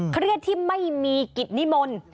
เครียดที่ไม่มีกิจนิมนต์